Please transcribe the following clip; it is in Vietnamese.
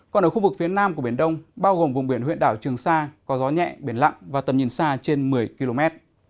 còn ở khu vực phía nam của biển đông bao gồm vùng biển huyện đảo trường sa có gió nhẹ biển lặng và tầm nhìn xa trên một mươi km